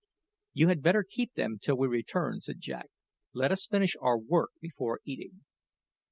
"You had better keep them till we return," said Jack. "Let us finish our work before eating."